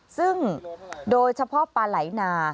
ซึ่งโดยเฉพาะปลาไหลนา